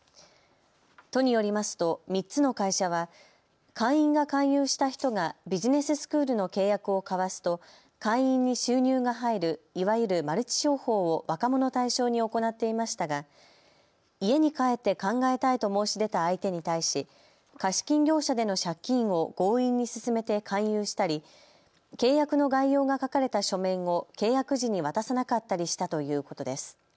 都によりますと３つの会社は会員が勧誘した人がビジネススクールの契約を交わすと会員に収入が入るいわゆるマルチ商法を若者対象に行っていましたが家に帰って考えたいと申し出た相手に対し貸金業者での借金を強引に勧めて勧誘したり契約の概要が書かれた書面を契約時に渡さなかったりしたということです。